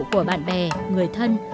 của bạn bè người thân